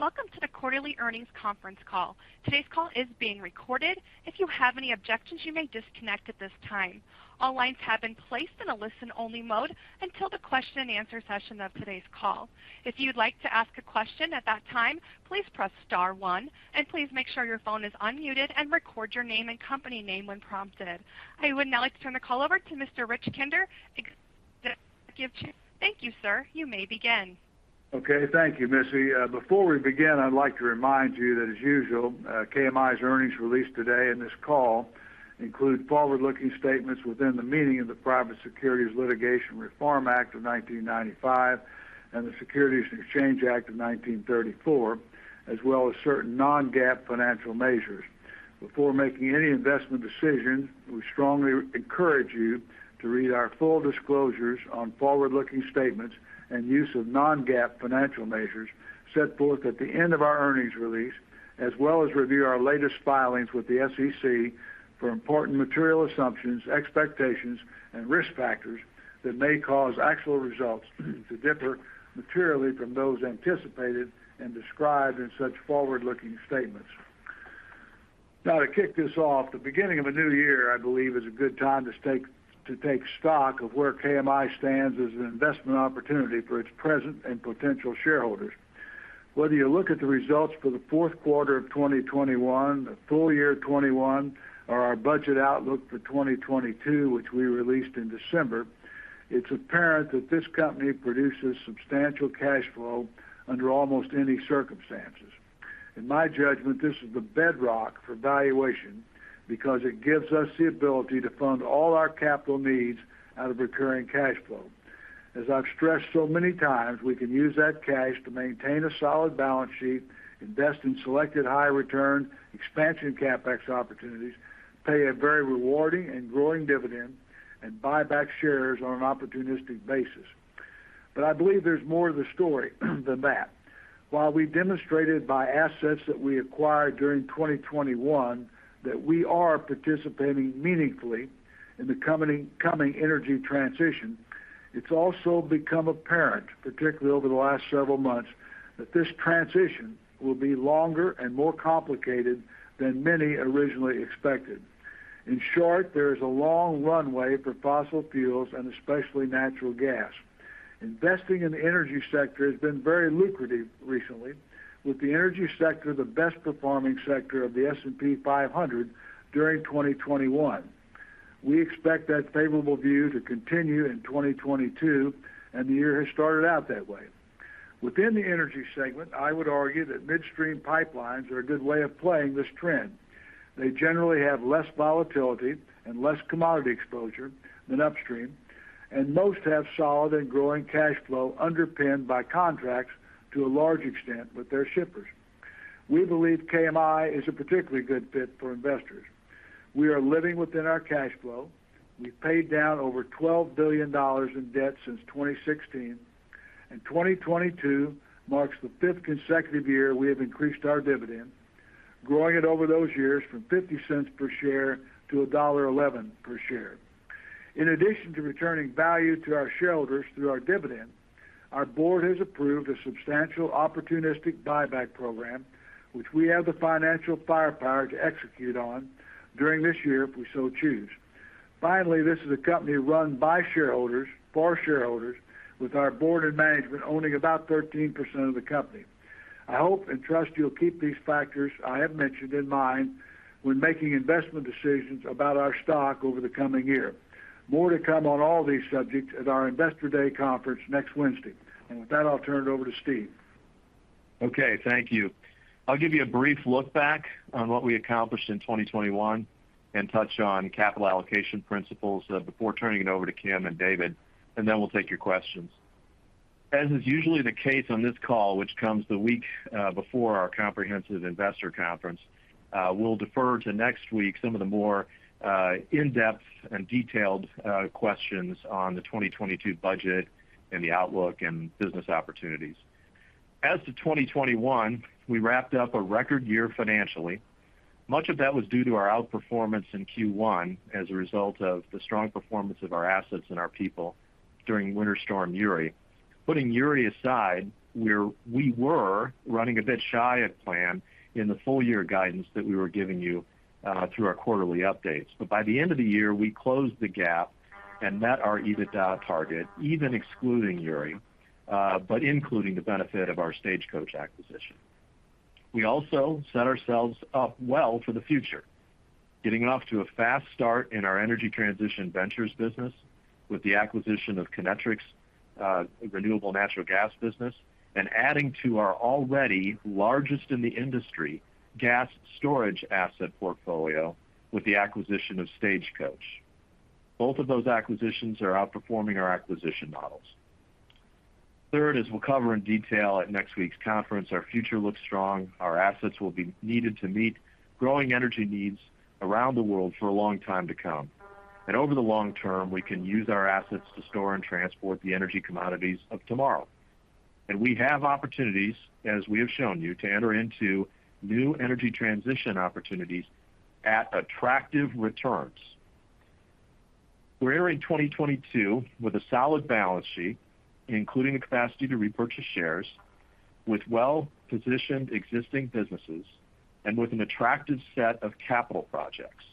Welcome to the quarterly earnings conference call. Today's call is being recorded. If you have any objections, you may disconnect at this time. All lines have been placed in a listen-only mode until the question-and-answer session of today's call. If you'd like to ask a question at that time, please press star one, and please make sure your phone is unmuted and record your name and company name when prompted. I would now like to turn the call over to Mr. Rich Kinder. Thank you, sir. You may begin. Okay, thank you, Missy. Before we begin, I'd like to remind you that as usual, KMI's earnings release today and this call include forward-looking statements within the meaning of the Private Securities Litigation Reform Act of 1995 and the Securities Exchange Act of 1934, as well as certain non-GAAP financial measures. Before making any investment decisions, we strongly encourage you to read our full disclosures on forward-looking statements and use of non-GAAP financial measures set forth at the end of our earnings release, as well as review our latest filings with the SEC for important material assumptions, expectations and risk factors that may cause actual results to differ materially from those anticipated and described in such forward-looking statements. Now to kick this off, the beginning of a new year, I believe, is a good time to take stock of where KMI stands as an investment opportunity for its present and potential shareholders. Whether you look at the results for the fourth quarter of 2021, the full year of 2021 or our budget outlook for 2022, which we released in December, it's apparent that this company produces substantial cash flow under almost any circumstances. In my judgment, this is the bedrock for valuation because it gives us the ability to fund all our capital needs out of recurring cash flow. As I've stressed so many times, we can use that cash to maintain a solid balance sheet, invest in selected high return expansion CapEx opportunities, pay a very rewarding and growing dividend, and buy back shares on an opportunistic basis. I believe there's more to the story than that. While we demonstrated buy assets that we acquired during 2021 that we are participating meaningfully in the coming energy transition, it's also become apparent, particularly over the last several months, that this transition will be longer and more complicated than many originally expected. In short, there is a long runway for fossil fuels and especially natural gas. Investing in the energy sector has been very lucrative recently, with the energy sector the best performing sector of the S&P 500 during 2021. We expect that favorable view to continue in 2022, and the year has started out that way. Within the energy segment, I would argue that midstream pipelines are a good way of playing this trend. They generally have less volatility and less commodity exposure than upstream, and most have solid and growing cash flow underpinned by contracts to a large extent with their shippers. We believe KMI is a particularly good fit for investors. We are living within our cash flow. We've paid down over $12 billion in debt since 2016. 2022 marks the fifth consecutive year we have increased our dividend, growing it over those years from $0.50 per share to $1.11 per share. In addition to returning value to our shareholders through our dividend, our board has approved a substantial opportunistic buyback program, which we have the financial firepower to execute on during this year if we so choose. Finally, this is a company run by shareholders, for shareholders with our board and management owning about 13% of the company. I hope and trust you'll keep these factors I have mentioned in mind when making investment decisions about our stock over the coming year. More to come on all these subjects at our Investor Day conference next Wednesday. With that, I'll turn it over to Steve. Okay, thank you. I'll give you a brief look back on what we accomplished in 2021 and touch on capital allocation principles before turning it over to Kim and David, and then we'll take your questions. As is usually the case on this call, which comes the week before our comprehensive investor conference, we'll defer to next week some of the more in-depth and detailed questions on the 2022 budget and the outlook and business opportunities. As to 2021, we wrapped up a record year financially. Much of that was due to our outperformance in Q1 as a result of the strong performance of our assets and our people during Winter Storm Uri. Putting Uri aside, we were running a bit shy of plan in the full year guidance that we were giving you through our quarterly updates. By the end of the year, we closed the gap and met our EBITDA target, even excluding Uri, but including the benefit of our Stagecoach acquisition. We also set ourselves up well for the future, getting off to a fast start in our energy transition ventures business with the acquisition of Kinetrex's renewable natural gas business and adding to our already largest in the industry gas storage asset portfolio with the acquisition of Stagecoach. Both of those acquisitions are outperforming our acquisition models. Third, as we'll cover in detail at next week's conference, our future looks strong. Our assets will be needed to meet growing energy needs around the world for a long time to come. Over the long term, we can use our assets to store and transport the energy commodities of tomorrow. We have opportunities, as we have shown you, to enter into new energy transition opportunities at attractive returns. We're entering 2022 with a solid balance sheet, including the capacity to repurchase shares with well-positioned existing businesses and with an attractive set of capital projects.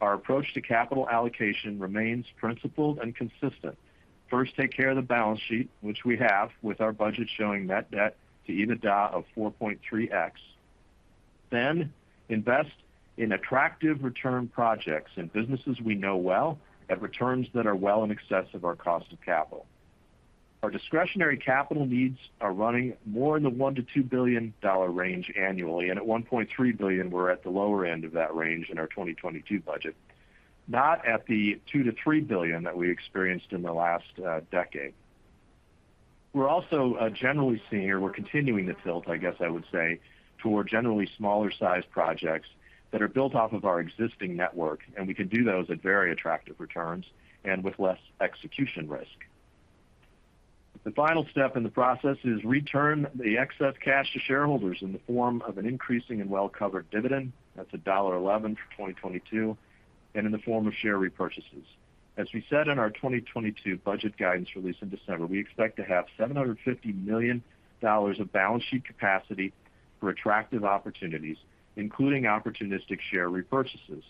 Our approach to capital allocation remains principled and consistent. First, take care of the balance sheet, which we have with our budget showing net debt to EBITDA of 4.3x. Then invest in attractive return projects in businesses we know well at returns that are well in excess of our cost of capital. Our discretionary capital needs are running more in the $1 billion-$2 billion range annually, and at $1.3 billion, we're at the lower end of that range in our 2022 budget, not at the $2 billion-$3 billion that we experienced in the last decade. We're also continuing the tilt, I guess I would say, toward generally smaller-sized projects that are built off of our existing network, and we can do those at very attractive returns and with less execution risk. The final step in the process is to return the excess cash to shareholders in the form of an increasing and well-covered dividend. That's $1.11 for 2022, and in the form of share repurchases. As we said in our 2022 budget guidance release in December, we expect to have $750 million of balance sheet capacity for attractive opportunities, including opportunistic share repurchases.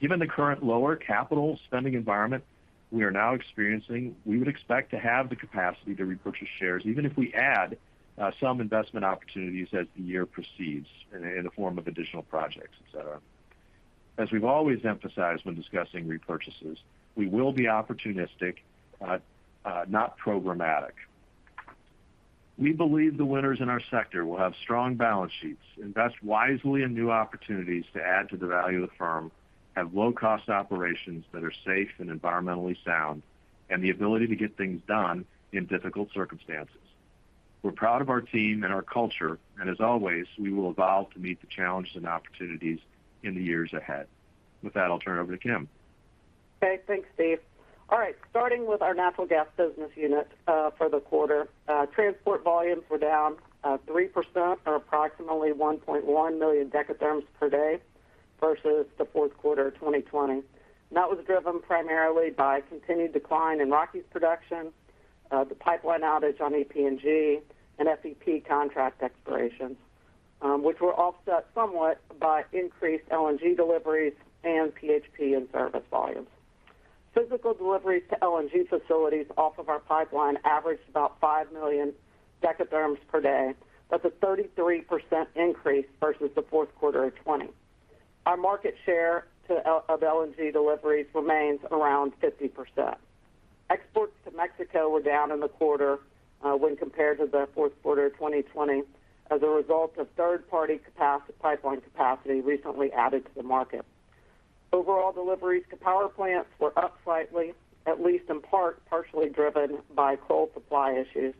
Given the current lower capital spending environment we are now experiencing, we would expect to have the capacity to repurchase shares even if we add some investment opportunities as the year proceeds in the form of additional projects, et cetera. As we've always emphasized when discussing repurchases, we will be opportunistic, not programmatic. We believe the winners in our sector will have strong balance sheets, invest wisely in new opportunities to add to the value of the firm, have low-cost operations that are safe and environmentally sound, and the ability to get things done in difficult circumstances. We're proud of our team and our culture, and as always, we will evolve to meet the challenges and opportunities in the years ahead. With that, I'll turn it over to Kim. Okay. Thanks, Steve. All right, starting with our natural gas business unit for the quarter. Transport volumes were down 3% or approximately 1.1 million dekatherms per day versus the fourth quarter of 2020. That was driven primarily by continued decline in Rockies production, the pipeline outage on EPNG and FEP contract expirations, which were offset somewhat by increased LNG deliveries and PHP and service volumes. Physical deliveries to LNG facilities off of our pipeline averaged about 5 million dekatherms per day, that's a 33% increase versus the fourth quarter of 2020. Our market share of LNG deliveries remains around 50%. Exports to Mexico were down in the quarter when compared to the fourth quarter of 2020 as a result of third-party pipeline capacity recently added to the market. Overall deliveries to power plants were up slightly, at least in part, partially driven by coal supply issues,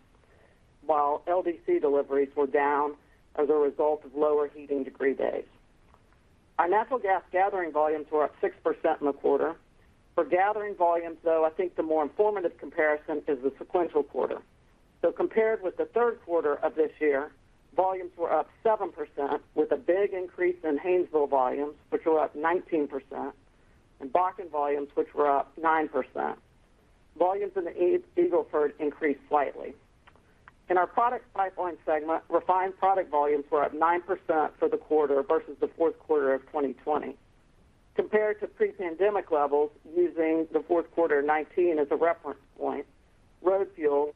while LDC deliveries were down as a result of lower heating degree days. Our natural gas gathering volumes were up 6% in the quarter. For gathering volumes, though, I think the more informative comparison is the sequential quarter. Compared with the third quarter of this year, volumes were up 7% with a big increase in Haynesville volumes, which were up 19%, and Bakken volumes, which were up 9%. Volumes in the Eagle Ford increased slightly. In our products pipeline segment, refined product volumes were up 9% for the quarter versus the fourth quarter of 2020. Compared to pre-pandemic levels using the fourth quarter of 2019 as a reference point, road fuel,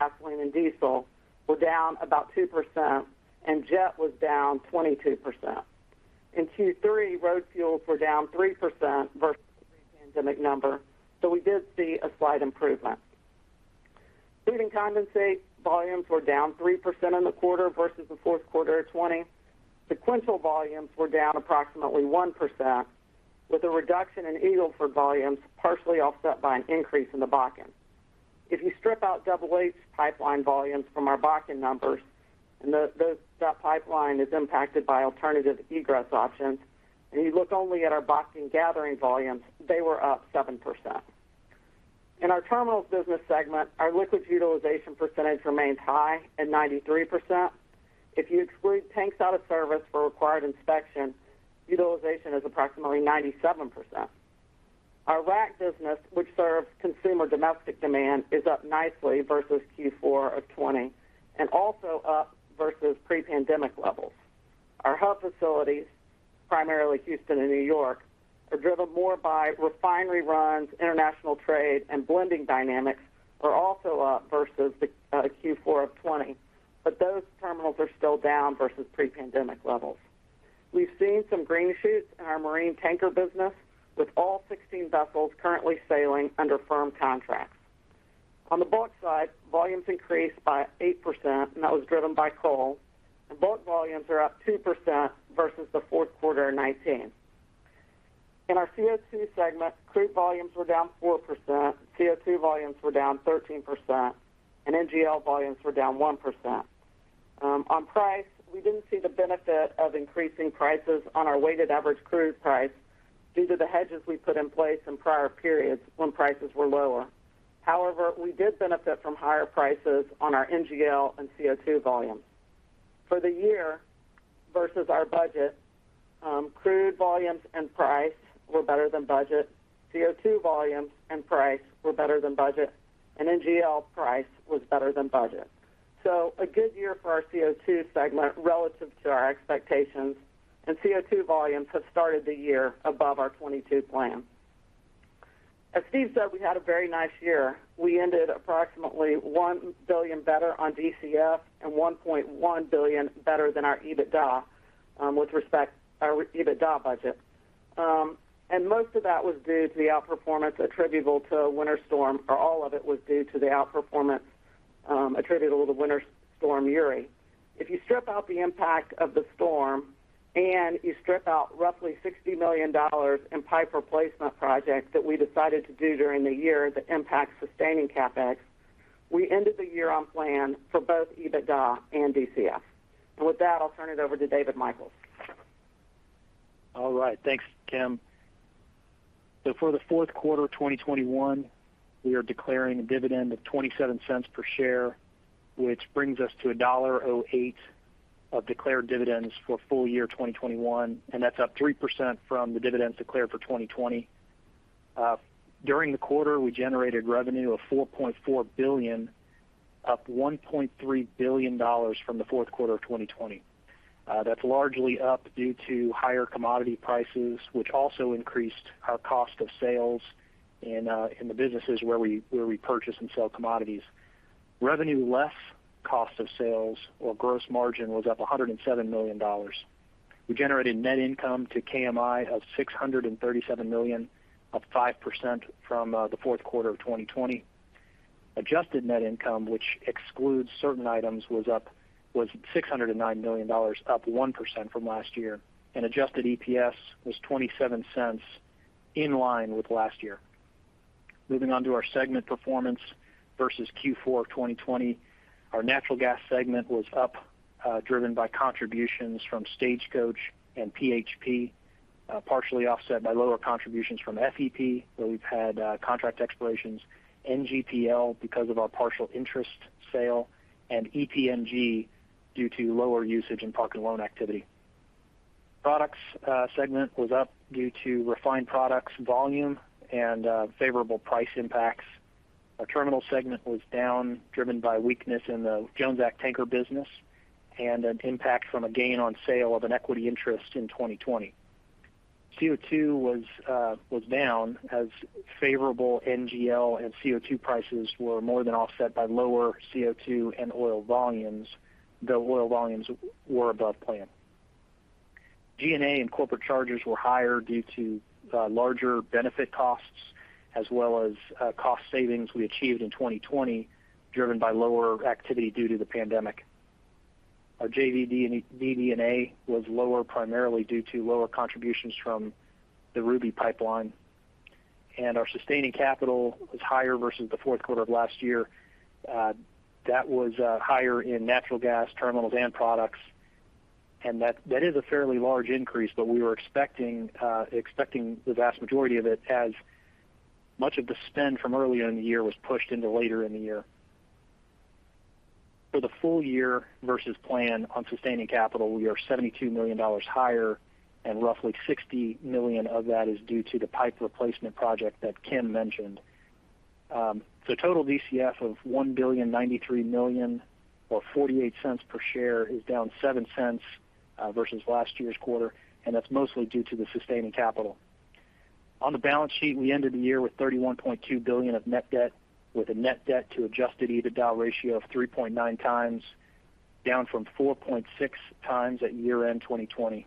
gasoline and diesel were down about 2%, and jet was down 22%. In Q3, road fuels were down 3% versus the pre-pandemic number, so we did see a slight improvement. Fueling condensate volumes were down 3% in the quarter versus the fourth quarter of 2020. Sequential volumes were down approximately 1%, with a reduction in Eagle Ford volumes partially offset by an increase in the Bakken. If you strip out Double H's pipeline volumes from our Bakken numbers, and that pipeline is impacted by alternative egress options, and you look only at our Bakken gathering volumes, they were up 7%. In our Terminals business segment, our liquids utilization percentage remains high at 93%. If you exclude tanks out of service for required inspection, utilization is approximately 97%. Our rack business, which serves consumer domestic demand, is up nicely versus Q4 of 2020 and also up versus pre-pandemic levels. Our hub facilities, primarily Houston and New York, are driven more by refinery runs, international trade, and blending dynamics are also up versus the Q4 of 2020, but those terminals are still down versus pre-pandemic levels. We've seen some green shoots in our marine tanker business with all 16 vessels currently sailing under firm contracts. On the bulk side, volumes increased by 8%, and that was driven by coal. Bulk volumes are up 2% versus the fourth quarter of 2019. In our CO2 segment, crude volumes were down 4%, CO2 volumes were down 13%, and NGL volumes were down 1%. On price, we didn't see the benefit of increasing prices on our weighted average crude price due to the hedges we put in place in prior periods when prices were lower. However, we did benefit from higher prices on our NGL and CO2 volumes. For the year versus our budget, crude volumes and price were better than budget. CO2 volumes and price were better than budget. NGL price was better than budget. A good year for our CO2 segment relative to our expectations, and CO2 volumes have started the year above our 2022 plan. As Steve said, we had a very nice year. We ended approximately $1 billion better on DCF and $1.1 billion better than our EBITDA with respect to our EBITDA budget. Most of that was due to the outperformance attributable to Winter Storm Uri, or all of it was due to the outperformance attributable to Winter Storm Uri. If you strip out the impact of the storm and you strip out roughly $60 million in pipe replacement projects that we decided to do during the year that impact sustaining CapEx, we ended the year on plan for both EBITDA and DCF. With that, I'll turn it over to David Michels. All right. Thanks, Kim. For the fourth quarter of 2021, we are declaring a dividend of $0.27 per share, which brings us to $1.08 of declared dividends for full year 2021, and that's up 3% from the dividends declared for 2020. During the quarter, we generated revenue of $4.4 billion, up $1.3 billion from the fourth quarter of 2020. That's largely up due to higher commodity prices, which also increased our cost of sales in the businesses where we purchase and sell commodities. Revenue less cost of sales or gross margin was up $107 million. We generated net income to KMI of $637 million, up 5% from the fourth quarter of 2020. Adjusted net income, which excludes certain items, was up $609 million, up 1% from last year. Adjusted EPS was $0.27, in line with last year. Moving on to our segment performance versus Q4 of 2020. Our natural gas segment was up, driven by contributions from Stagecoach and PHP, partially offset by lower contributions from FEP, where we've had contract expirations, NGPL, because of our partial interest sale, and EPNG due to lower usage in park and loan activity. Products segment was up due to refined products volume and favorable price impacts. Our terminal segment was down, driven by weakness in the Jones Act tanker business and an impact from a gain on sale of an equity interest in 2020. CO2 was down as favorable NGL and CO2 prices were more than offset by lower CO2 and oil volumes, though oil volumes were above plan. G&A and corporate charges were higher due to larger benefit costs as well as cost savings we achieved in 2020, driven by lower activity due to the pandemic. Our DD&A was lower primarily due to lower contributions from the Ruby Pipeline. Our sustaining capital was higher versus the fourth quarter of last year. That was higher in natural gas terminals and products. That is a fairly large increase, but we were expecting the vast majority of it as much of the spend from earlier in the year was pushed into later in the year. For the full year versus plan on sustaining capital, we are $72 million higher, and roughly $60 million of that is due to the pipe replacement project that Kim mentioned. Total DCF of $1.093 billion or $0.48 per share is down $0.7 versus last year's quarter, and that's mostly due to the sustaining capital. On the balance sheet, we ended the year with $31.2 billion of net debt, with a net debt to adjusted EBITDA ratio of 3.9x, down from 4.6x at year-end 2020.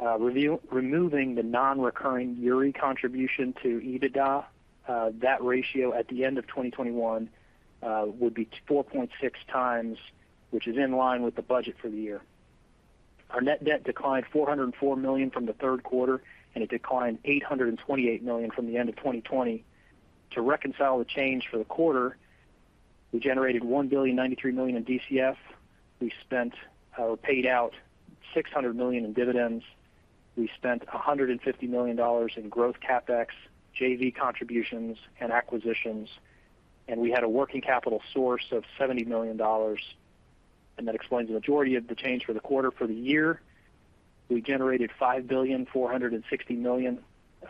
Removing the non-recurring Uri contribution to EBITDA, that ratio at the end of 2021 would be 4.6x, which is in line with the budget for the year. Our net debt declined $404 million from the third quarter, and it declined $828 million from the end of 2020. To reconcile the change for the quarter, we generated $1.093 billion in DCF. We spent, or paid out $600 million in dividends. We spent $150 million in growth CapEx, JV contributions, and acquisitions. We had a working capital source of $70 million, and that explains the majority of the change for the quarter. For the year, we generated $5.460 billion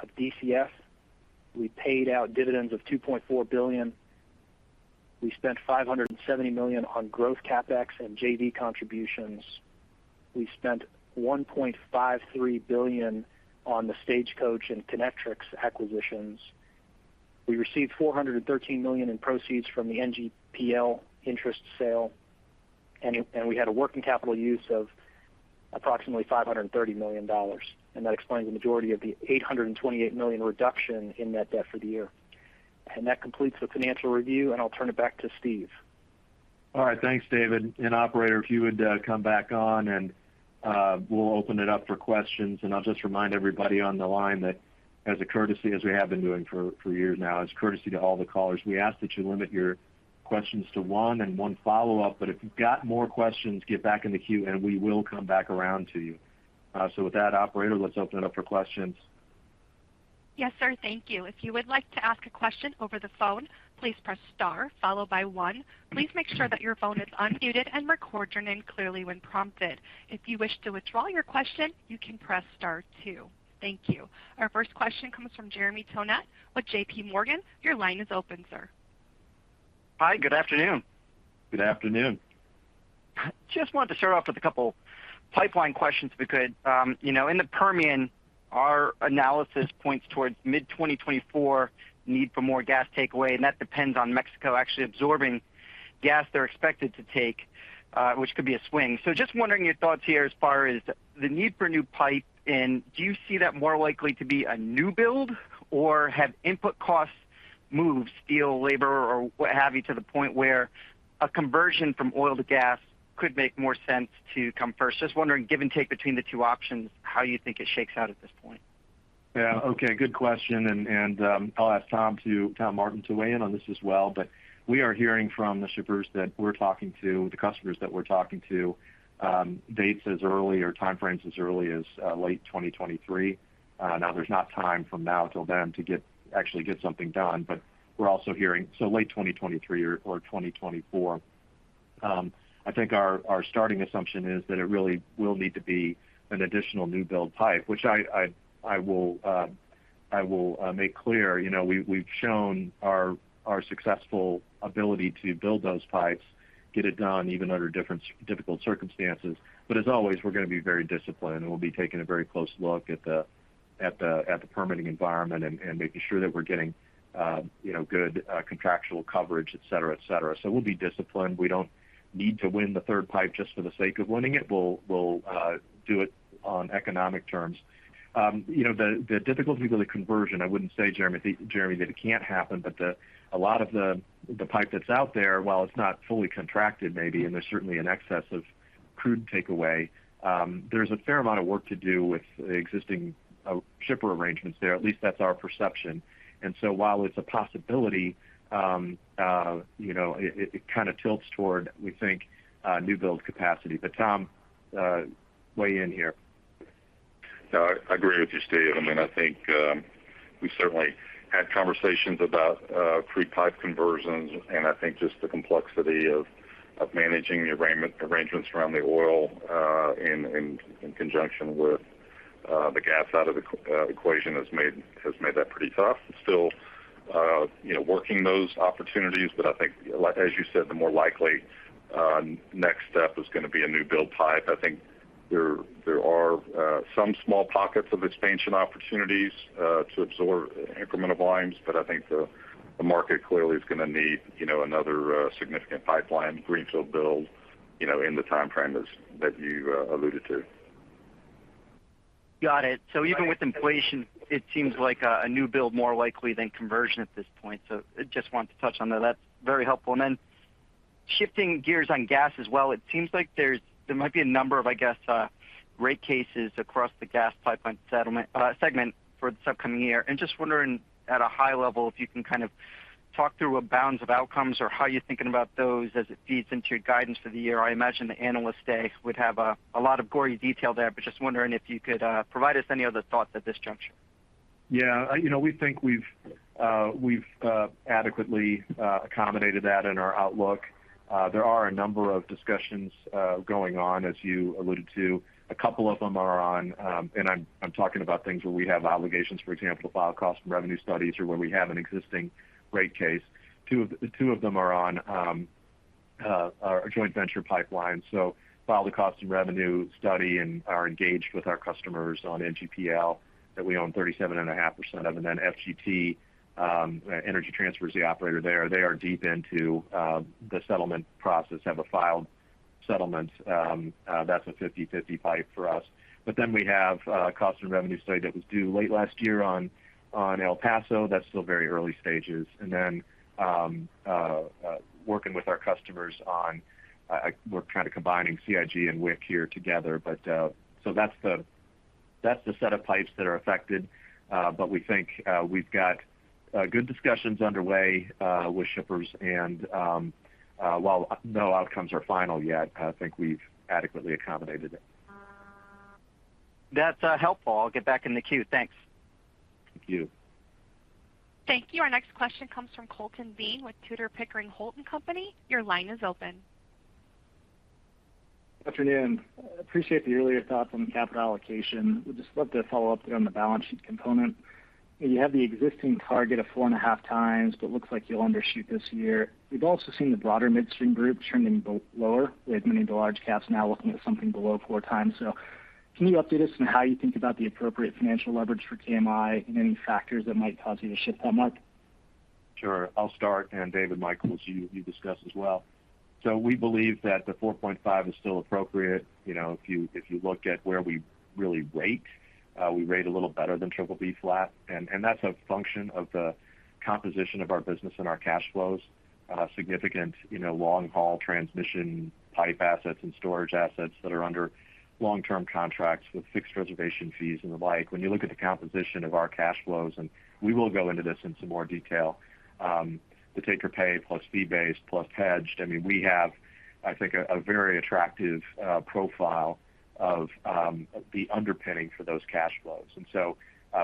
of DCF. We paid out dividends of $2.4 billion. We spent $570 million on growth CapEx and JV contributions. We spent $1.53 billion on the Stagecoach and Kinetrex acquisitions. We received $413 million in proceeds from the NGPL interest sale. We had a working capital use of approximately $530 million, and that explains the majority of the $828 million reduction in net debt for the year. That completes the financial review, and I'll turn it back to Steve. All right. Thanks, David. Operator, if you would, come back on and, we'll open it up for questions. I'll just remind everybody on the line that as a courtesy, as we have been doing for years now, as a courtesy to all the callers, we ask that you limit your questions to one and one follow-up, but if you've got more questions, get back in the queue and we will come back around to you. With that, operator, let's open it up for questions. Yes, sir. Thank you. If you would like to ask a question over the phone, please press star followed by one. Please make sure that your phone is unmuted and record your name clearly when prompted. If you wish to withdraw your question, you can press star two. Thank you. Our first question comes from Jeremy Tonet with JPMorgan. Your line is open, sir. Hi. Good afternoon. Good afternoon. Just wanted to start off with a couple pipeline questions if we could. In the Permian, our analysis points towards mid-2024 need for more gas takeaway, and that depends on Mexico actually absorbing gas they're expected to take, which could be a swing. Just wondering your thoughts here as far as the need for new pipe, and do you see that more likely to be a new build or have input costs moved steel, labor or what have you, to the point where a conversion from oil to gas could make more sense to come first. Just wondering, give and take between the two options, how you think it shakes out at this point. Yeah. Okay. Good question. I'll ask Tom Martin to weigh in on this as well. We are hearing from the shippers that we're talking to, the customers that we're talking to, dates as early or time frames as early as late 2023. Now there's not time from now till then to actually get something done, but we're also hearing late 2023 or 2024. I think our starting assumption is that it really will need to be an additional new build pipe, which I will make clear. You know, we've shown our successful ability to build those pipes, get it done even under different difficult circumstances. As always, we're gonna be very disciplined, and we'll be taking a very close look at the permitting environment and making sure that we're getting, you know, good contractual coverage, et cetera, et cetera. So we'll be disciplined. We don't need to win the third pipe just for the sake of winning it. We'll do it on economic terms. You know, the difficulty with the conversion, I wouldn't say, Jeremy, that it can't happen, but a lot of the pipe that's out there, while it's not fully contracted maybe, and there's certainly an excess of crude takeaway, there's a fair amount of work to do with the existing shipper arrangements there. At least that's our perception. While it's a possibility, you know, it kind of tilts toward, we think, new build capacity. Tom, weigh in here. No, I agree with you, Steve. I mean, I think we certainly had conversations about free pipe conversions, and I think just the complexity of managing the arrangements around the oil in conjunction with the gas out of the equation has made that pretty tough. Still, you know, working those opportunities, but I think like as you said, the more likely next step is gonna be a new build pipe. I think there are some small pockets of expansion opportunities to absorb incremental volumes, but I think the market clearly is gonna need, you know, another significant pipeline greenfield build, you know, in the time frame as that you alluded to. Got it. Even with inflation, it seems like a new build more likely than conversion at this point. I just wanted to touch on that. That's very helpful. Then shifting gears on gas as well, it seems like there might be a number of, I guess, rate cases across the gas pipeline segment for this upcoming year. Just wondering at a high level if you can kind of talk through what bounds of outcomes or how you're thinking about those as it feeds into your guidance for the year. I imagine the analyst day would have a lot of gory detail there, but just wondering if you could provide us any other thoughts at this juncture. Yeah. You know, we think we've adequately accommodated that in our outlook. There are a number of discussions going on, as you alluded to. A couple of them are on. I'm talking about things where we have obligations. For example, file cost and revenue studies or where we have an existing rate case. Two of them are on our joint venture pipeline. File the cost and revenue study and are engaged with our customers on NGPL that we own 37.5% of, and then FGT, Energy Transfer is the operator there. They are deep into the settlement process, have a filed settlement. That's a 50/50 pipe for us. Then we have a cost and revenue study that was due late last year on El Paso. That's still very early stages. Working with our customers on, we're kind of combining CIG and WIC here together. That's the set of pipes that are affected. We think we've got good discussions underway with shippers and, while no outcomes are final yet, I think we've adequately accommodated it. That's helpful. I'll get back in the queue. Thanks. Thank you. Thank you. Our next question comes from Colton Bean with Tudor, Pickering, Holt & Co. Your line is open. Good afternoon. Appreciate the earlier thoughts on the capital allocation. Would just love to follow up on the balance sheet component. You have the existing target of 4.5x, but looks like you'll undershoot this year. We've also seen the broader midstream group trending lower, with many of the large caps now looking at something below 4x. Can you update us on how you think about the appropriate financial leverage for KMI and any factors that might cause you to shift that mark? Sure. I'll start, and David Michels, as you discuss as well. We believe that the 4.5 is still appropriate. If you look at where we really rate, we rate a little better than BBB flat. That's a function of the composition of our business and our cash flows, significant long-haul transmission pipe assets and storage assets that are under long-term contracts with fixed reservation fees and the like. When you look at the composition of our cash flows, and we will go into this in some more detail, the take-or-pay plus fee-based plus hedged, I mean, we have, I think, a very attractive profile of the underpinning for those cash flows.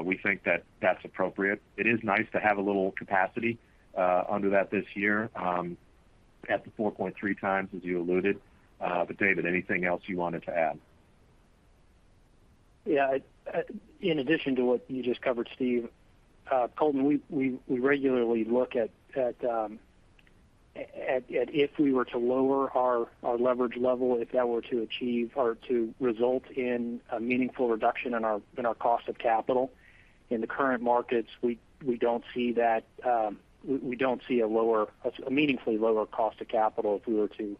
We think that that's appropriate. It is nice to have a little capacity under that this year. At the 4.3x, as you alluded. David, anything else you wanted to add? In addition to what you just covered, Steve, Colton, we regularly look at if we were to lower our leverage level, if that were to achieve or to result in a meaningful reduction in our cost of capital. In the current markets, we don't see that, we don't see a meaningfully lower cost of capital if we were to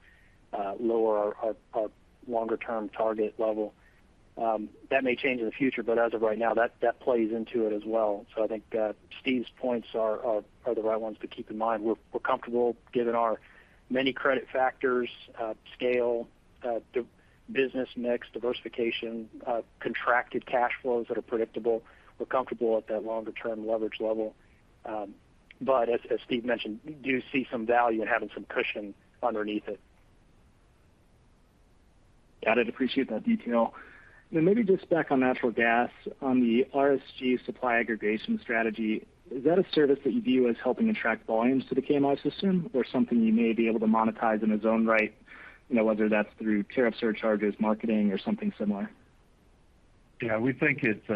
lower our longer-term target level. That may change in the future, but as of right now, that plays into it as well. I think Steve's points are the right ones to keep in mind. We're comfortable given our many credit factors, scale, the business mix, diversification, contracted cash flows that are predictable. We're comfortable at that longer term leverage level. As Steve mentioned, we do see some value in having some cushion underneath it. Got it. Appreciate that detail. Now maybe just back on natural gas on the RSG supply aggregation strategy. Is that a service that you view as helping attract volumes to the KMI system or something you may be able to monetize in its own right, you know, whether that's through tariff surcharges, marketing or something similar? Yeah. We think it's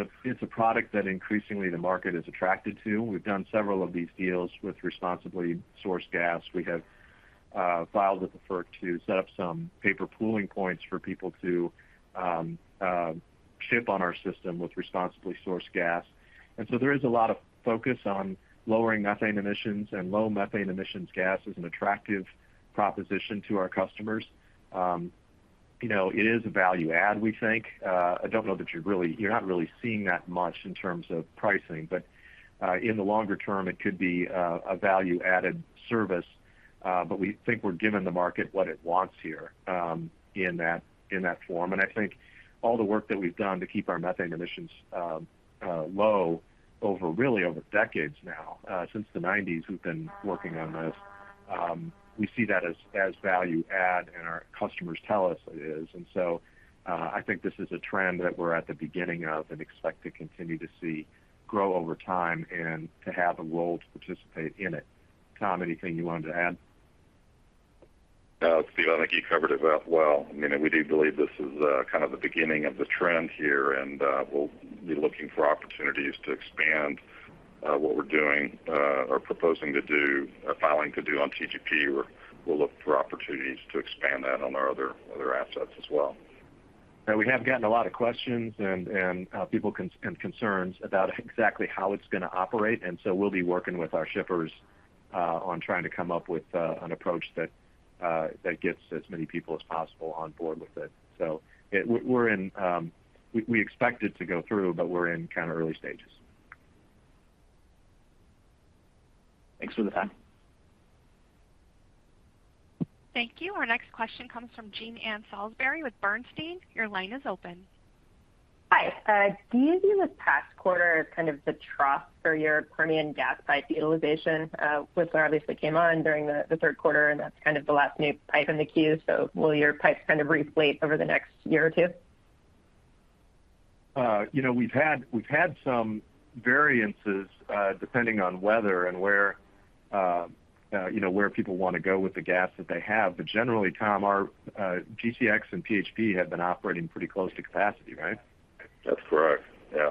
a product that increasingly the market is attracted to. We've done several of these deals with responsibly sourced gas. We have filed with the FERC to set up some paper pooling points for people to ship on our system with responsibly sourced gas. There is a lot of focus on lowering methane emissions, and low methane emissions gas is an attractive proposition to our customers. You know, it is a value add, we think. I don't know that you're not really seeing that much in terms of pricing, but in the longer term, it could be a value-added service. But we think we're giving the market what it wants here, in that form. I think all the work that we've done to keep our methane emissions low over, really over decades now, since the 90's, we've been working on this, we see that as value add, and our customers tell us it is. I think this is a trend that we're at the beginning of and expect to continue to see grow over time and to have the world participate in it. Tom, anything you wanted to add? No, Steve, I think you covered it well. I mean, we do believe this is kind of the beginning of the trend here, and we'll be looking for opportunities to expand what we're doing or proposing to do or filing to do on TGP, or we'll look for opportunities to expand that on our other assets as well. We have gotten a lot of questions and people's concerns about exactly how it's gonna operate. We'll be working with our shippers on trying to come up with an approach that gets as many people as possible on board with it. We expect it to go through, but we're in kind of early stages. Thanks for the time. Thank you. Our next question comes from Jean Ann Salisbury with Bernstein. Your line is open. Hi. Do you view this past quarter as kind of the trough for your Permian gas pipe utilization? Whistler obviously came on during the third quarter, and that's kind of the last new pipe in the queue. Will your pipes kind of re-flate over the next year or two? You know, we've had some variances depending on weather and where you know where people wanna go with the gas that they have. Generally, Tom, our GCX and PHP have been operating pretty close to capacity, right? That's correct. Yeah.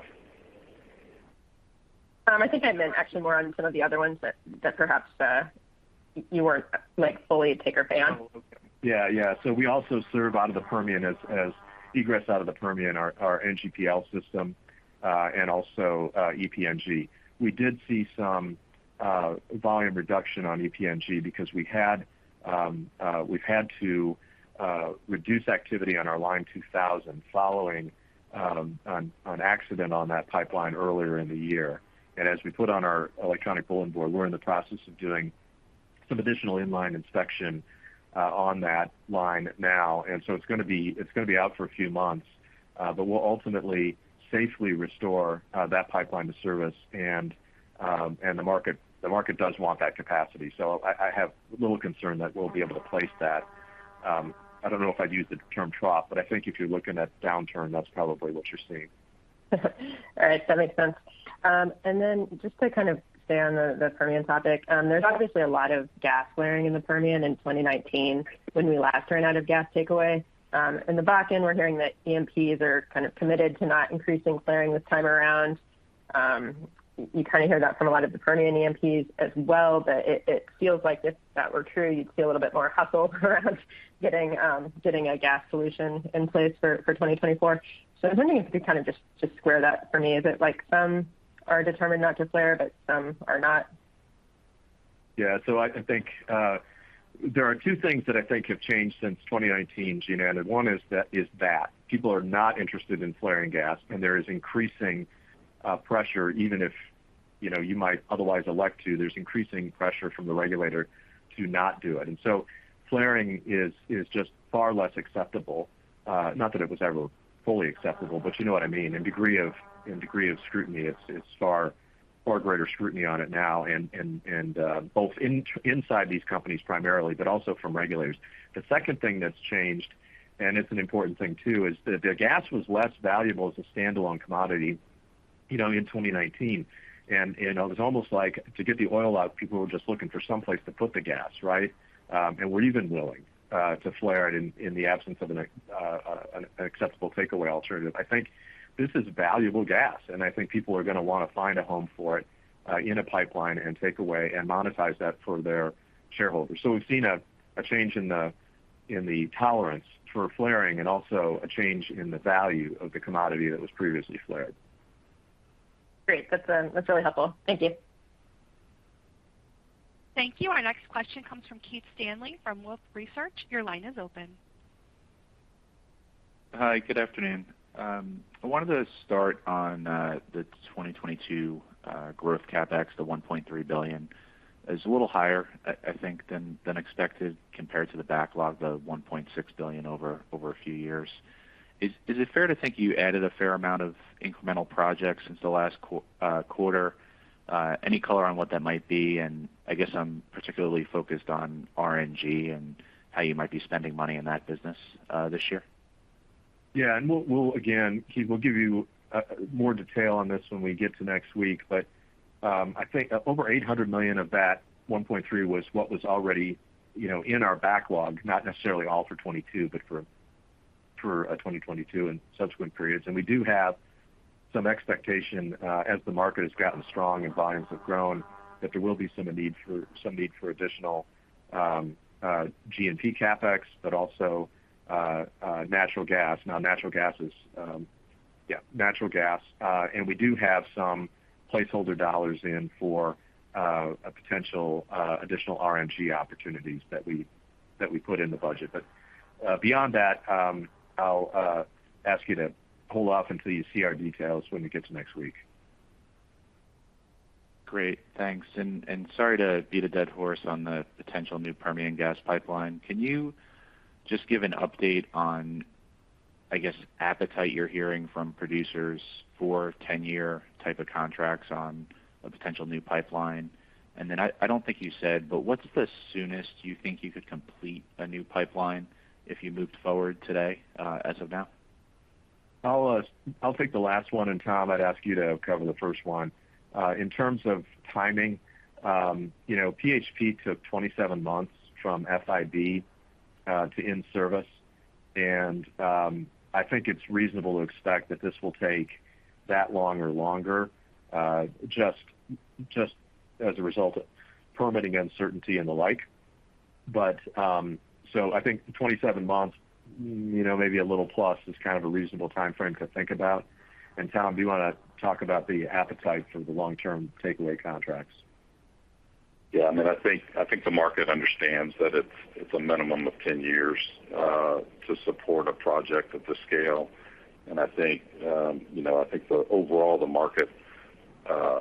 I think I meant actually more on some of the other ones that perhaps you weren't, like, fully take-or-pay. Oh, okay. Yeah, yeah. We also serve out of the Permian as egress out of the Permian, our NGPL system, and also EPNG. We did see some volume reduction on EPNG because we've had to reduce activity on our Line 2000 following an accident on that pipeline earlier in the year. As we put on our electronic bulletin board, we're in the process of doing some additional inline inspection on that line now. It's gonna be out for a few months, but we'll ultimately safely restore that pipeline to service. The market does want that capacity. I have little concern that we'll be able to place that. I don't know if I'd use the term trough, but I think if you're looking at downturn, that's probably what you're seeing. All right. That makes sense. Just to kind of stay on the Permian topic, there's obviously a lot of gas flaring in the Permian in 2019 when we last ran out of gas takeaway. In the back end, we're hearing that E&Ps are kind of committed to not increasing flaring this time around. You kind of hear that from a lot of the Permian E&Ps as well, but it feels like if that were true, you'd see a little bit more hustle around getting a gas solution in place for 2024. I was wondering if you could kind of just square that for me. Is it like some are determined not to flare, but some are not? Yeah. I think there are two things that I think have changed since 2019, Jean Ann, and one is that people are not interested in flaring gas, and there is increasing pressure, even if, you know, you might otherwise elect to. There's increasing pressure from the regulator to not do it. Flaring is just far less acceptable, not that it was ever fully acceptable, but you know what I mean. In degree of scrutiny, it's far greater scrutiny on it now and both inside these companies primarily, but also from regulators. The second thing that's changed, and it's an important thing too, is that the gas was less valuable as a standalone commodity. You know, in 2019, and it was almost like to get the oil out, people were just looking for some place to put the gas, right, and were even willing to flare it in the absence of an acceptable takeaway alternative. I think this is valuable gas, and I think people are gonna wanna find a home for it in a pipeline and takeaway and monetize that for their shareholders. We've seen a change in the tolerance for flaring and also a change in the value of the commodity that was previously flared. Great. That's really helpful. Thank you. Thank you. Our next question comes from Keith Stanley from Wolfe Research. Your line is open. Hi, good afternoon. I wanted to start on the 2022 growth CapEx, the $1.3 billion. It's a little higher, I think, than expected compared to the backlog, the $1.6 billion over a few years. Is it fair to think you added a fair amount of incremental projects since the last quarter? Any color on what that might be? I guess I'm particularly focused on RNG and how you might be spending money in that business this year. Yeah. Again, Keith, we'll give you more detail on this when we get to next week. I think over $800 million of that $1.3 billion was what was already, you know, in our backlog, not necessarily all for 2022, but for 2022 and subsequent periods. We do have some expectation as the market has gotten strong and volumes have grown, that there will be some need for additional G&P CapEx, but also natural gas. We do have some placeholder dollars in for a potential additional RNG opportunities that we put in the budget. Beyond that, I'll ask you to hold off until you see our details when we get to next week. Great. Thanks. Sorry to beat a dead horse on the potential new Permian gas pipeline. Can you just give an update on, I guess, appetite you're hearing from producers for ten-year type of contracts on a potential new pipeline? Then I don't think you said, but what's the soonest you think you could complete a new pipeline if you moved forward today, as of now? I'll take the last one, and Tom, I'd ask you to cover the first one. In terms of timing, you know, PHP took 27 months from FID to in-service. I think it's reasonable to expect that this will take that long or longer, just as a result of permitting uncertainty and the like. I think the 27 months, you know, maybe a little plus is kind of a reasonable timeframe to think about. Tom, do you wanna talk about the appetite for the long-term takeaway contracts? Yeah. I mean, I think the market understands that it's a minimum of 10 years to support a project of this scale. I think you know overall the market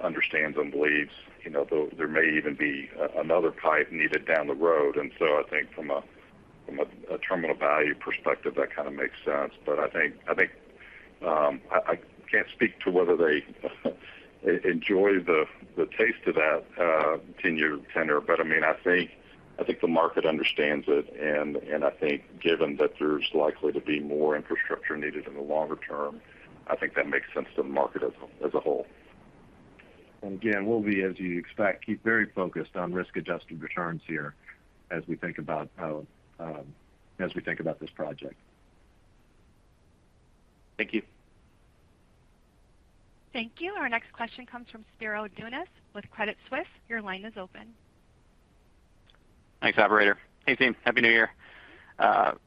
understands and believes you know there may even be another pipe needed down the road. I think from a terminal value perspective that kind of makes sense. I think I can't speak to whether they enjoy the taste of that 10-year tenor. I mean, I think the market understands it, and I think given that there's likely to be more infrastructure needed in the longer term, I think that makes sense to the market as a whole. Again, we'll keep very focused on risk-adjusted returns here as we think about this project. Thank you. Thank you. Our next question comes from Spiro Dounis with Credit Suisse. Your line is open. Thanks, operator. Hey, team. Happy New Year.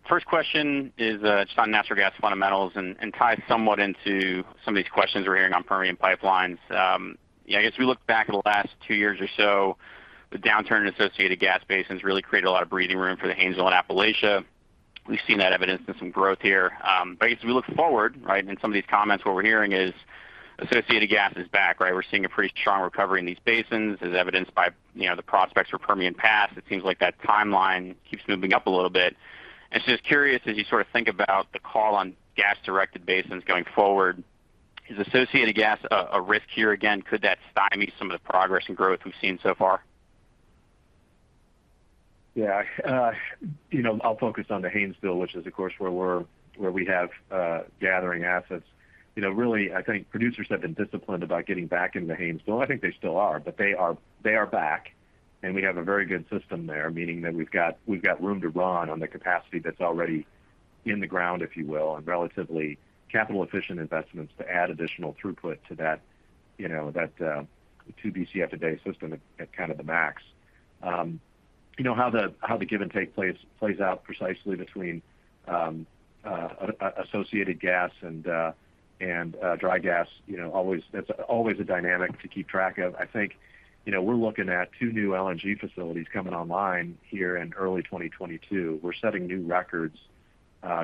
First question is just on natural gas fundamentals and ties somewhat into some of these questions we're hearing on Permian pipelines. Yeah, I guess we look back at the last two years or so, the downturn in associated gas basins really created a lot of breathing room for the Haynesville and Appalachia. We've seen that evidenced in some growth here. I guess we look forward, right, and some of these comments what we're hearing is associated gas is back, right? We're seeing a pretty strong recovery in these basins as evidenced by, you know, the prospects for Permian Pass. It seems like that timeline keeps moving up a little bit. Just curious, as you sort of think about the call on gas-directed basins going forward, is associated gas a risk here again? Could that stymie some of the progress and growth we've seen so far? Yeah. You know, I'll focus on the Haynesville, which is, of course, where we have gathering assets. You know, really, I think producers have been disciplined about getting back into Haynesville. I think they still are, but they are back, and we have a very good system there, meaning that we've got room to run on the capacity that's already in the ground, if you will, and relatively capital-efficient investments to add additional throughput to that 2 Bcf a day system at kind of the max. You know how the give-and-take plays out precisely between associated gas and dry gas. You know, that's always a dynamic to keep track of. I think, you know, we're looking at two new LNG facilities coming online here in early 2022. We're setting new records.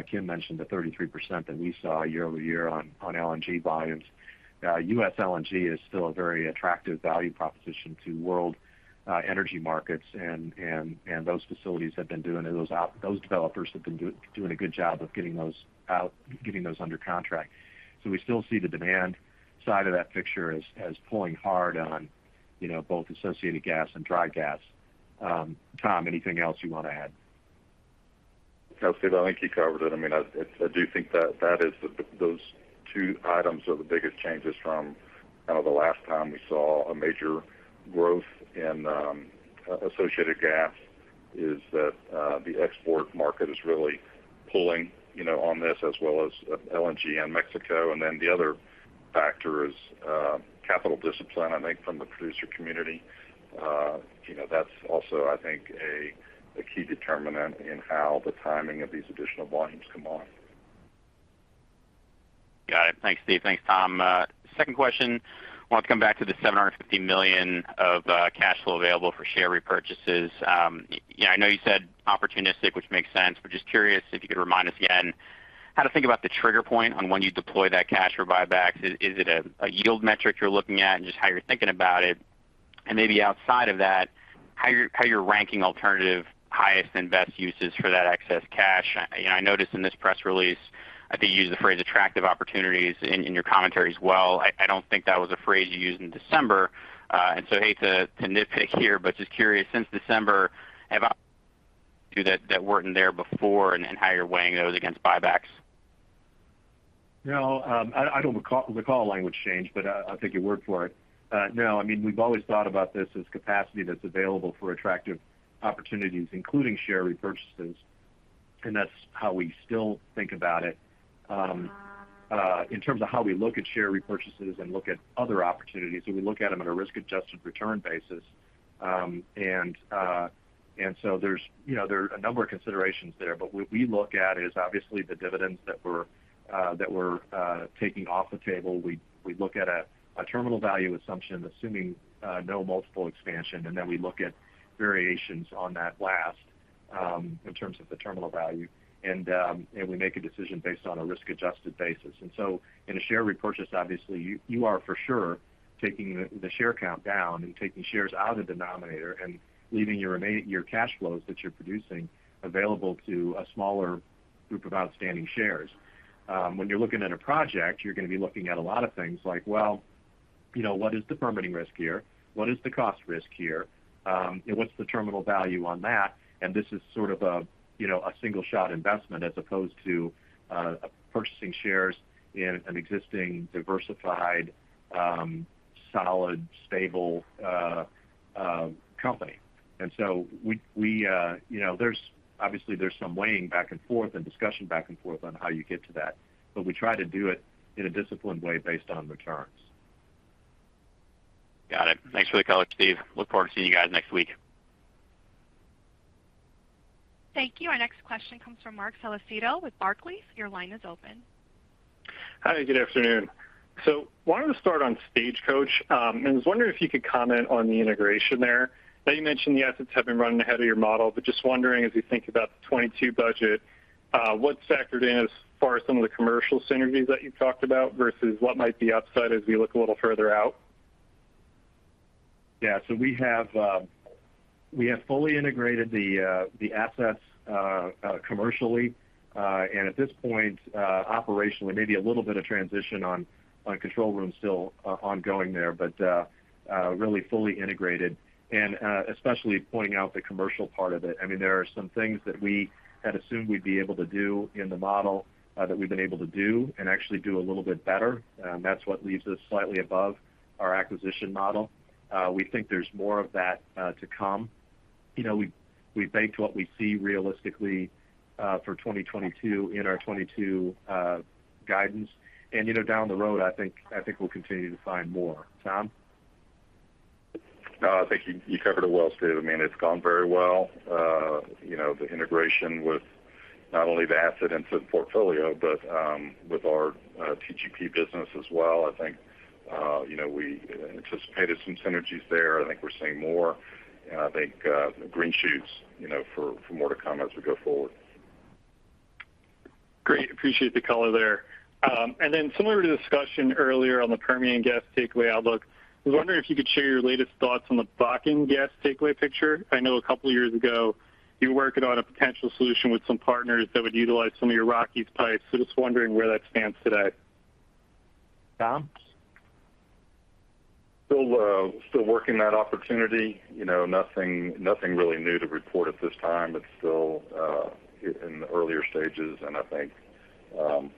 Kim mentioned the 33% that we saw year-over-year on LNG volumes. U.S. LNG is still a very attractive value proposition to world energy markets, and those developers have been doing a good job of getting those under contract. So we still see the demand side of that picture as pulling hard on, you know, both associated gas and dry gas. Tom, anything else you wanna add? No, Steve, I think you covered it. I mean, I do think that those two items are the biggest changes from kind of the last time we saw a major growth in associated gas is that the export market is really pulling, you know, on this as well as LNG and Mexico. The other factor is capital discipline, I think from the producer community, you know, that's also, I think, a key determinant in how the timing of these additional volumes come on. Got it. Thanks, Steve. Thanks, Tom. Second question, want to come back to the $750 million of cash flow available for share repurchases. Yeah, I know you said opportunistic, which makes sense. We're just curious if you could remind us again how to think about the trigger point on when you deploy that cash for buybacks. Is it a yield metric you're looking at and just how you're thinking about it? And maybe outside of that, how you're ranking alternative highest and best uses for that excess cash. You know, I noticed in this press release, I think you used the phrase attractive opportunities in your commentary as well. I don't think that was a phrase you used in December. I hate to nitpick here, but just curious since December that weren't there before and how you're weighing those against buybacks. No. I don't recall the call language change, but I think you worded it. No, I mean, we've always thought about this as capacity that's available for attractive opportunities, including share repurchases, and that's how we still think about it. In terms of how we look at share repurchases and look at other opportunities, we look at them at a risk-adjusted return basis. There are a number of considerations there, you know. What we look at is obviously the dividends that we're taking off the table. We look at a terminal value assumption, assuming no multiple expansion, and then we look at variations on that latter in terms of the terminal value. We make a decision based on a risk-adjusted basis. In a share repurchase, obviously, you are for sure taking the share count down and taking shares out of the denominator and leaving your cash flows that you're producing available to a smaller group of outstanding shares. When you're looking at a project, you're going to be looking at a lot of things like, well, you know, what is the permitting risk here? What is the cost risk here? What's the terminal value on that? This is sort of a, you know, a single shot investment as opposed to purchasing shares in an existing diversified, solid, stable company. We you know, there's obviously some weighing back and forth and discussion back and forth on how you get to that, but we try to do it in a disciplined way based on returns. Got it. Thanks for the color, Steve. I look forward to seeing you guys next week. Thank you. Our next question comes from Marc Solecitto with Barclays. Your line is open. Hi, good afternoon. Wanted to start on Stagecoach. I was wondering if you could comment on the integration there. Now, you mentioned the assets have been running ahead of your model, but just wondering as you think about the 2022 budget, what's factored in as far as some of the commercial synergies that you've talked about versus what might be upside as we look a little further out? Yeah. We have fully integrated the assets commercially. At this point, operationally, maybe a little bit of transition on control room still ongoing there, but really fully integrated. Especially pointing out the commercial part of it, I mean, there are some things that we had assumed we'd be able to do in the model that we've been able to do and actually do a little bit better. That's what leaves us slightly above our acquisition model. We think there's more of that to come. You know, we banked what we see realistically for 2022 in our 2022 guidance. You know, down the road, I think we'll continue to find more. Tom? No, I think you covered it well, Steve. I mean, it's gone very well. You know, the integration with not only the asset into the portfolio, but with our TGP business as well. I think you know, we anticipated some synergies there. I think we're seeing more. I think green shoots, you know, for more to come as we go forward. Great. Appreciate the color there. Similar to the discussion earlier on the Permian gas takeaway outlook, I was wondering if you could share your latest thoughts on the Bakken gas takeaway picture. I know a couple of years ago, you were working on a potential solution with some partners that would utilize some of your Rockies pipes. Just wondering where that stands today. Tom? Still working that opportunity. You know, nothing really new to report at this time. It's still in the earlier stages, and I think,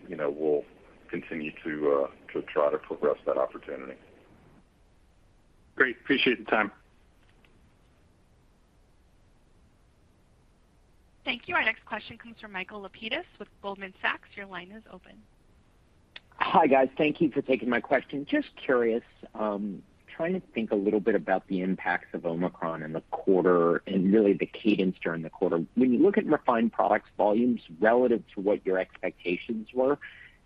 you know, we'll continue to try to progress that opportunity. Great. I appreciate the time. Thank you. Our next question comes from Michael Lapides with Goldman Sachs. Your line is open. Hi, guys. Thank you for taking my question. Just curious, trying to think a little bit about the impacts of Omicron in the quarter and really the cadence during the quarter. When you look at refined products volumes relative to what your expectations were,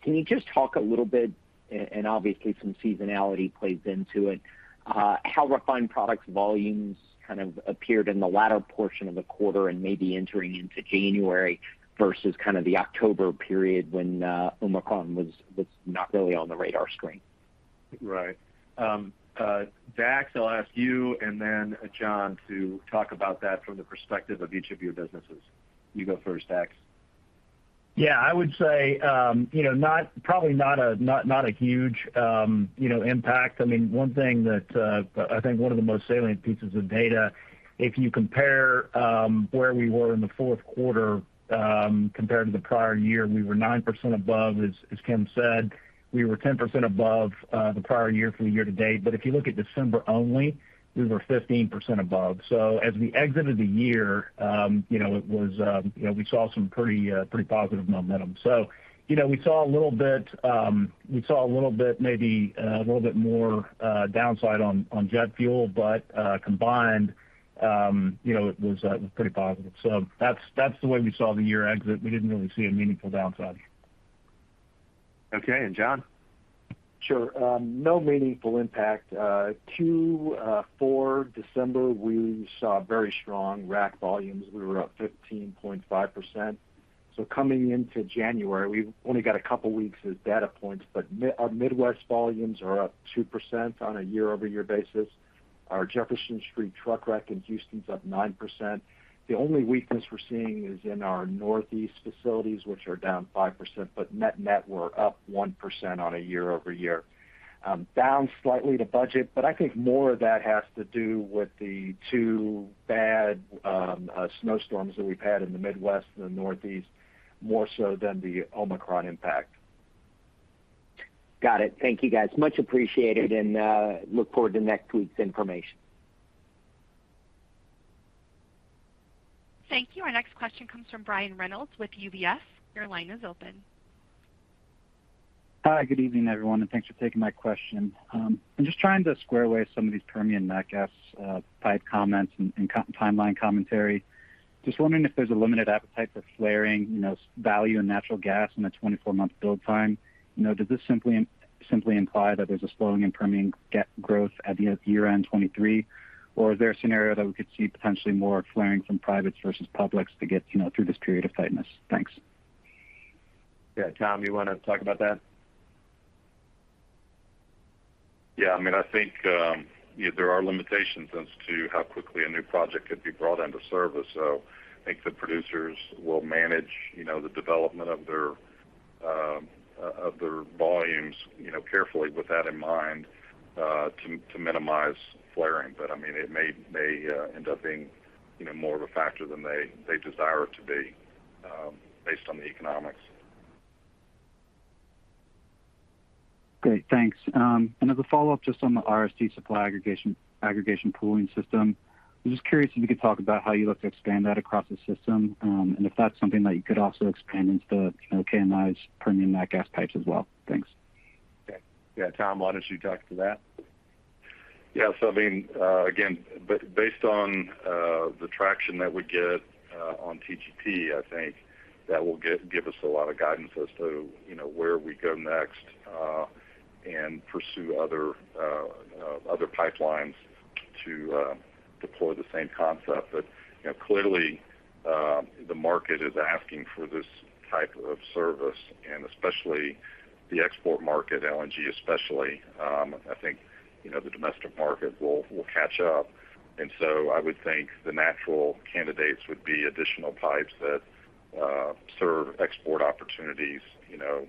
can you just talk a little bit, and obviously some seasonality plays into it, how refined products volumes kind of appeared in the latter portion of the quarter and maybe entering into January versus kind of the October period when Omicron was not really on the radar screen? Right. Dax, I'll ask you and then John to talk about that from the perspective of each of your businesses. You go first, Dax. Yeah, I would say, you know, probably not a huge impact. I mean, one thing that I think one of the most salient pieces of data, if you compare where we were in the fourth quarter compared to the prior year, we were 9% above, as Kim said. We were 10% above the prior year from year-to-date. If you look at December only, we were 15% above. As we exited the year, you know, it was, you know, we saw some pretty positive momentum. You know, we saw a little bit maybe a little bit more downside on jet fuel. Combined, you know, it was pretty positive. That's the way we saw the year exit. We didn't really see a meaningful downside. Okay. John? Sure. No meaningful impact. 24 December, we saw very strong rack volumes. We were up 15.5%. Coming into January, we've only got a couple weeks of data points, but our Midwest volumes are up 2% on a year-over-year basis. Our Jefferson Street truck rack in Houston is up 9%. The only weakness we're seeing is in our Northeast facilities, which are down 5%. Net-net, we're up 1% on a year-over-year. Down slightly to budget, but I think more of that has to do with the two bad snowstorms that we've had in the Midwest and the Northeast, more so than the Omicron impact. Got it. Thank you, guys. Much appreciated, and look forward to next week's information. Thank you. Our next question comes from Brian Reynolds with UBS. Your line is open. Hi. Good evening, everyone, and thanks for taking my question. I'm just trying to square away some of these Permian nat gas pipe comments and timeline commentary. Just wondering if there's a limited appetite for flaring, you know, value in natural gas in the 24-month build time. You know, does this simply imply that there's a slowing in Permian growth at the year-end 2023? Or is there a scenario that we could see potentially more flaring from privates versus publics to get, you know, through this period of tightness? Thanks. Yeah. Tom, you wanna talk about that? Yeah. I mean, I think, you know, there are limitations as to how quickly a new project could be brought into service. I think the producers will manage, you know, the development of their volumes, you know, carefully with that in mind, to minimize flaring. I mean, it may end up being, you know, more of a factor than they desire it to be, based on the economics. Great. Thanks. As a follow-up just on the RSG supply aggregation pooling system, I'm just curious if you could talk about how you look to expand that across the system, and if that's something that you could also expand into, you know, KMI's Permian nat gas pipes as well. Thanks. Okay. Yeah, Tom, why don't you talk to that? Yeah. I mean, again, based on the traction that we get on TGP, I think that will give us a lot of guidance as to, you know, where we go next, and pursue other pipelines to deploy the same concept. You know, clearly, the market is asking for this type of service, and especially the export market, LNG especially. I think, you know, the domestic market will catch up. I would think the natural candidates would be additional pipes that serve export opportunities, you know,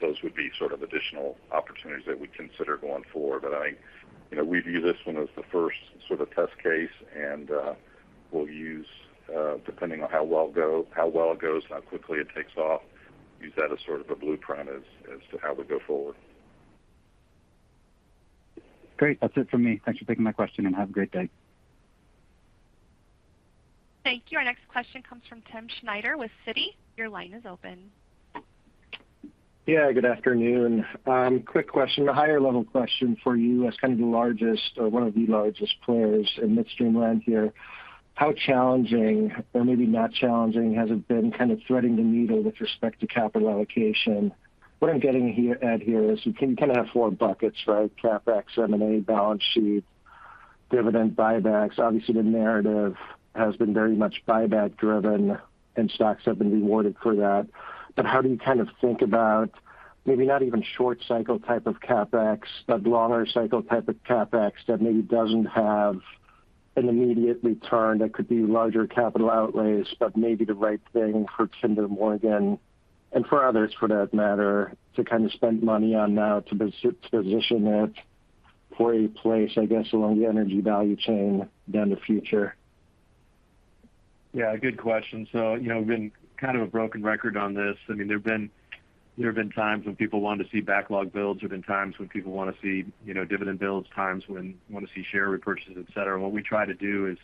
those would be sort of additional opportunities that we consider going forward. I, you know, we view this one as the first sort of test case, and we'll use, depending on how well it goes and how quickly it takes off, use that as sort of a blueprint as to how we go forward. Great. That's it for me. Thanks for taking my question, and have a great day. Thank you. Our next question comes from Timm Schneider with Citi. Your line is open. Yeah. Good afternoon. Quick question, a higher level question for you as kind of the largest or one of the largest players in midstream land here. How challenging or maybe not challenging has it been kind of threading the needle with respect to capital allocation? What I'm getting at here is you can kind of have four buckets, right? CapEx, M&A, balance sheet, dividend buybacks. Obviously, the narrative has been very much buyback driven, and stocks have been rewarded for that. How do you kind of think about maybe not even short cycle type of CapEx, but longer cycle type of CapEx that maybe doesn't have an immediate return, that could be larger capital outlays, but maybe the right thing for Kinder Morgan and for others for that matter, to kind of spend money on now to position it for a place, I guess, along the energy value chain down the future? Yeah, good question. You know, I've been kind of a broken record on this. I mean, there have been times when people want to see backlog builds. There've been times when people wanna see, you know, dividend builds, times when wanna see share repurchases, et cetera. What we try to do is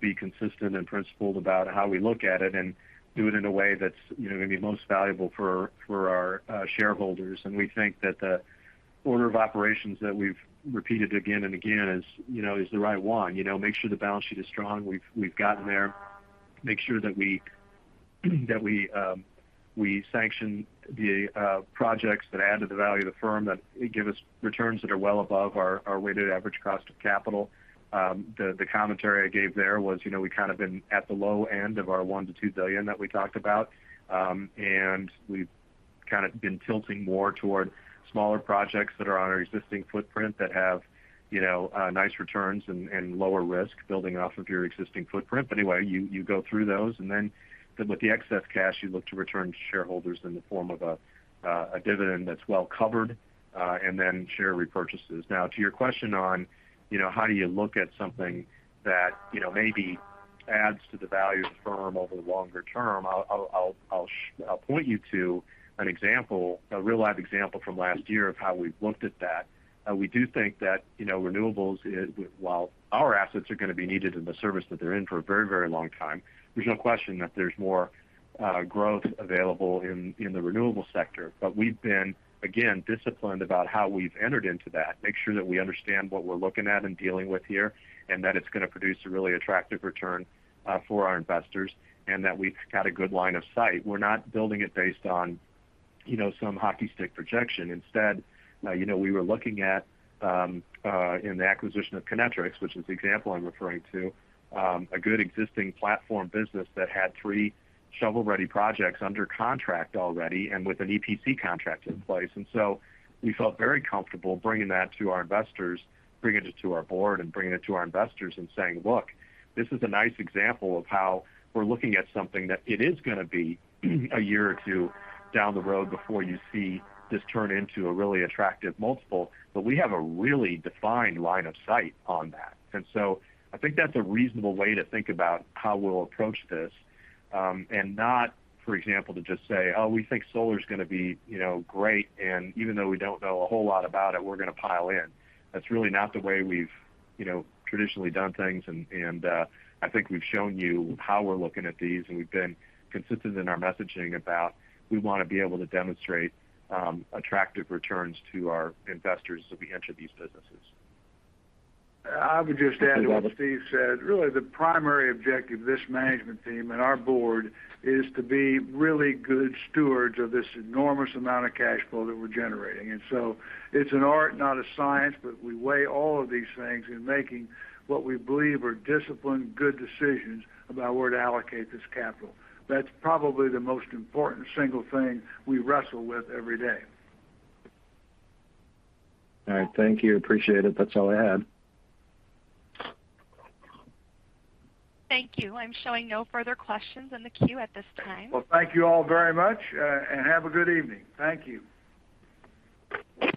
be consistent and principled about how we look at it and do it in a way that's, you know, gonna be most valuable for our shareholders. We think that the order of operations that we've repeated again and again is, you know, the right one. You know, make sure the balance sheet is strong. We've gotten there. Make sure that we sanction the projects that add to the value of the firm, that give us returns that are well above our weighted average cost of capital. The commentary I gave there was, you know, we've kind of been at the low end of our $1 billion-$2 billion that we talked about. We've kind of been tilting more toward smaller projects that are on our existing footprint that have, you know, nice returns and lower risk building off of your existing footprint. Anyway, you go through those and then with the excess cash, you look to return to shareholders in the form of a dividend that's well covered, and then share repurchases. Now to your question on, you know, how do you look at something that, you know, maybe adds to the value of the firm over the longer term, I'll point you to an example, a real-life example from last year of how we've looked at that. We do think that, you know, renewables, while our assets are going to be needed in the service that they're in for a very, very long time, there's no question that there's more growth available in the renewable sector. We've been, again, disciplined about how we've entered into that, make sure that we understand what we're looking at and dealing with here, and that it's going to produce a really attractive return for our investors, and that we've got a good line of sight. We're not building it based on, you know, some hockey stick projection. Instead, you know, we were looking at, in the acquisition of Kinetrex, which is the example I'm referring to, a good existing platform business that had three shovel-ready projects under contract already and with an EPC contract in place. We felt very comfortable bringing that to our investors, bringing it to our board and bringing it to our investors and saying, "Look, this is a nice example of how we're looking at something that it is going to be a year or two down the road before you see this turn into a really attractive multiple. We have a really defined line of sight on that." I think that's a reasonable way to think about how we'll approach this, and not, for example, to just say, "Oh, we think solar is going to be, you know, great. Even though we don't know a whole lot about it, we're going to pile in." That's really not the way we've, you know, traditionally done things. I think we've shown you how we're looking at these, and we've been consistent in our messaging about we want to be able to demonstrate attractive returns to our investors as we enter these businesses. I would just add to what Steve said, really, the primary objective of this management team and our board is to be really good stewards of this enormous amount of cash flow that we're generating. It's an art, not a science, but we weigh all of these things in making what we believe are disciplined, good decisions about where to allocate this capital. That's probably the most important single thing we wrestle with every day. All right. Thank you. Appreciate it. That's all I had. Thank you. I'm showing no further questions in the queue at this time. Well, thank you all very much, and have a good evening. Thank you.